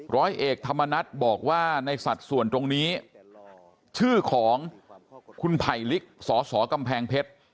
ร้อยเอกธรรมนัฏบอกว่าในสัดส่วนตรงนี้ชื่อของคุณไผ่ลิกสสกำแพงเพชร